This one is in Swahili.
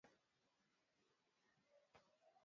hatua hiyo inakuja ikiwa ni siku moja baada ya wakara